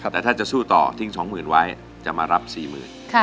แต่ถ้าจะสู้ต่อทิ้ง๒หมื่นไว้จะรับ๔หมื่น